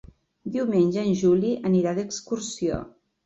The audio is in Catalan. Diumenge en Juli anirà d'excursió.